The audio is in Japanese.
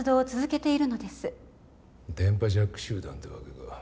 電波ジャック集団ってわけか。